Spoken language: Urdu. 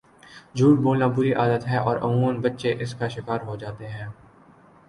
جھوٹ بولنا بُری عادت ہے اور عموماً بچے اس کا شکار ہوجاتے ہیں